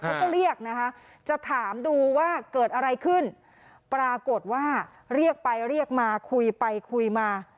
เขาก็เรียกนะคะจะถามดูว่าเกิดอะไรขึ้นปรากฏว่าเรียกไปเรียกมาคุยไปคุยมา